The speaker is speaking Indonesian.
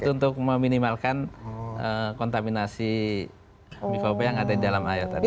itu untuk meminimalkan kontaminasi mikro obat yang ada di dalam air tadi